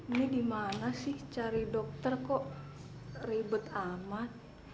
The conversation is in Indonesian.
ini di mana sih cari dokter kok ribet amat